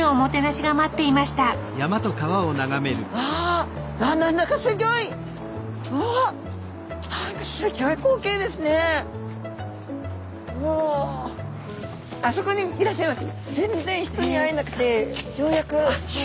スタジオ全然人に会えなくてようやく。